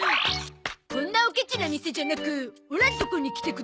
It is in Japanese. こんなおケチな店じゃなくオラのところに来てください。